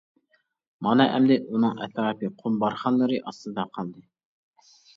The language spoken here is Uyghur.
مانا ئەمدى ئۇنىڭ ئەتراپى قۇم بارخانلىرى ئاستىدا قالدى.